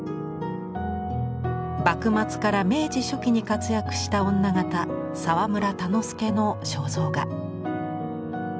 幕末から明治初期に活躍した女形澤村田之助の肖像画。